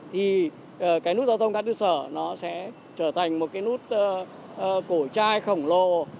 thì cái nút giao thông cao đu sở nó sẽ trở thành một cái nút cổ chai khổng lồ